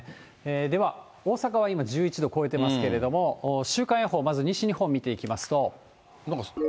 では、大阪は今、１１度超えてますけれども、週間予報、まず西日本、見ていきますと。